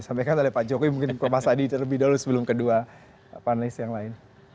sampaikan tadi pak jokowi mungkin pak mas adi lebih dulu sebelum kedua panelis yang lain